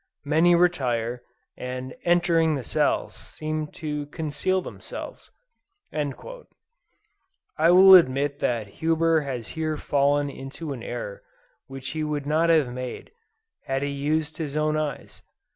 Many retire, and entering the cells, seem to conceal themselves." I will admit that Huber has here fallen into an error which he would not have made, had he used his own eyes.